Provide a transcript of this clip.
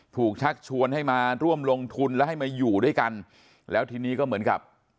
ชักชวนให้มาร่วมลงทุนแล้วให้มาอยู่ด้วยกันแล้วทีนี้ก็เหมือนกับ